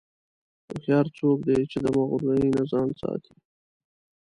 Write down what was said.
هوښیار څوک دی چې د مغرورۍ نه ځان ساتي.